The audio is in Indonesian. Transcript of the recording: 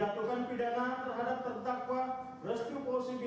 menjatuhkan pidana terhadap terdakwa restu fauzi bin almarhum haji totem fatunan